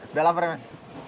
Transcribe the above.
udah lapar ya mas